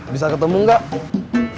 bisa ketemu gak